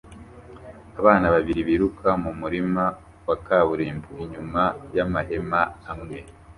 Abana babiri biruka mu murima wa kaburimbo inyuma y'amahema amwe